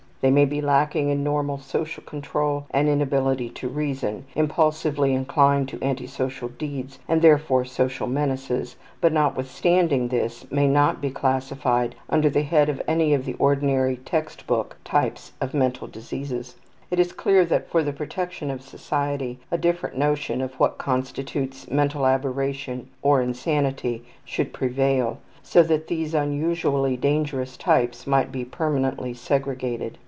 '' They may be lacking in normal social control and in ability to reason, impulsively inclined to anti social deeds and therefore social menaces, but, notwithstanding this, may not be classified under the head of any of the ordinary text book types of mental diseases. It is clear that for the protection of society a different notion of what constitutes mental aberration or insanity should prevail, so that these unusually dangerous types might be permanently segregated.